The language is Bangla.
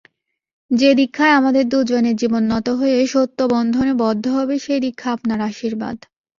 যে দীক্ষায় আমাদের দুজনের জীবন নত হয়ে সত্যবন্ধনে বদ্ধ হবে সেই দীক্ষা আপনার আশীর্বাদ।